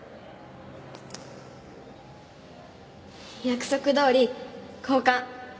約束どおり交換。